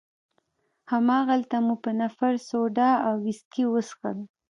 هماغلته مو په نفر سوډا او ویسکي وڅښل.